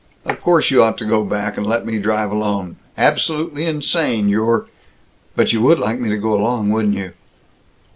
"Of course you ought to go back, and let me drive alone. Absolutely insane, your " "But you would like me to go along, wouldn't you!"